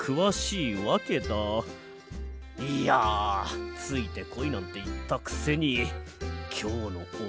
いやついてこいなんていったくせにきょうのおれしっぱいばかりだぜ。